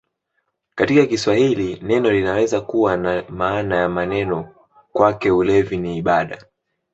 Katika Kiswahili neno linaweza kuwa na maana ya mazoea: "Kwake ulevi ni ibada".